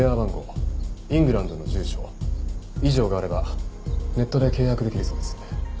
イングランドの住所以上があればネットで契約できるそうです。